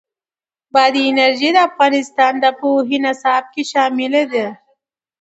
بادي انرژي د افغانستان د پوهنې نصاب کې شامل دي.